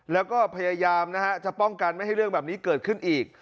แล้วก็พยายามนะฮะจะป้องกันไม่ให้เรื่องแบบนี้เกิดขึ้นอีก